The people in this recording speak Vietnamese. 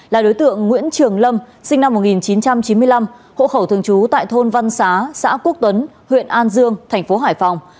là đối tượng nguyễn trường lâm sinh năm một nghìn chín trăm chín mươi năm hộ khẩu thường trú tại thôn văn xá xã quốc tuấn huyện an dương thành phố hải phòng